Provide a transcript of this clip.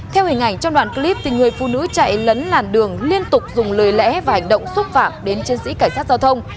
theo hình ảnh trong đoạn clip người phụ nữ chạy lấn làn đường liên tục dùng lời lẽ và hành động xúc phạm đến chiến sĩ cảnh sát giao thông